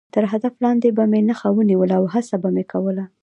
تر هدف لاندې به مې نښه ونیوله او هڅه به مې کوله.